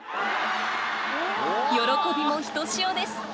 喜びもひとしおです。